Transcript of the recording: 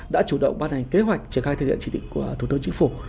đã chủ động bàn hành kế hoạch triển khai thực hiện trị thị của thủ tướng chính phủ